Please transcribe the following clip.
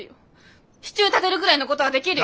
支柱立てるぐらいのごどはできるよ！